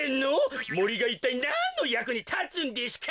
もりがいったいなんのやくにたつんデシュか！